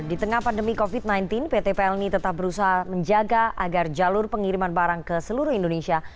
di tengah pandemi covid sembilan belas pt plni tetap berusaha menjaga agar jalur pengiriman barang ke seluruh indonesia